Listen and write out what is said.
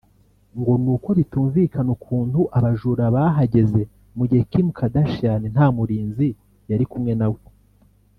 ngo nuko bitumvikana ukuntu abajura bahageze mu gihe Kim Kardashian nta murinzi yari kumwe nawe